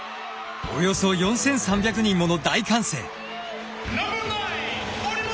およそ４，３００人もの大歓声。